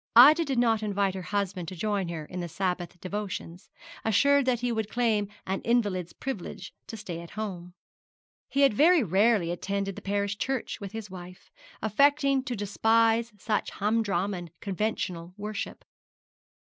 Ida did not invite her husband to join her in her Sabbath devotions, assured that he would claim an invalid's privilege to stay at home. He had very rarely attended the parish church with his wife, affecting to despise such humdrum and conventional worship.